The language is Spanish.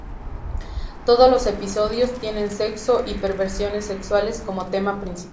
Todos los episodios tienen sexo y perversiones sexuales como tema principal.